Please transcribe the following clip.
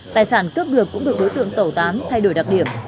tài sản cướp được cũng được đối tượng tẩu tán thay đổi đặc điểm